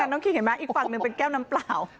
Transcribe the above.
น้องคิงเห็นไหมอีกฝั่งหนึ่งเป็นแก้วน้ำเปล่า